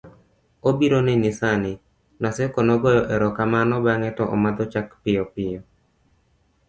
obiro neni sani, Naseko nogoyo erokamano bang'e to omadho chak piyo piyo